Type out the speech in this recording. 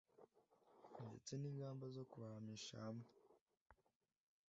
ndetse n'ingamba zo kubihamisha hamwe